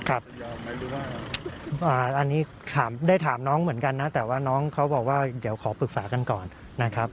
อันนี้ได้ถามน้องเหมือนกันนะแต่ว่าน้องเขาบอกว่าเดี๋ยวขอปรึกษากันก่อนนะครับ